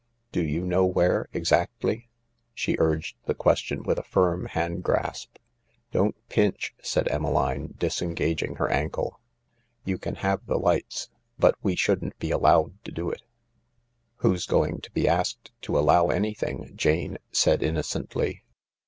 Do you know where, exactly ?" She urged the question with a firm hand grasp, "Don't pinch," said Emmeline, disengaging her ankle. " You can have the lights. But we shouldn't be allowed to do it." THE LARK r "Who's going to be asked to allow anything?" Jane said innocently.